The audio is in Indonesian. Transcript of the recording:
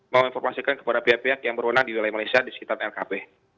menginformasikan kepada pihak pihak yang berwenang di wilayah malaysia di sekitar lkp